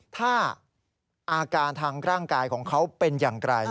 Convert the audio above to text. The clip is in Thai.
ถ้าอาการทางร่างกายของเขาเป็นอย่างไร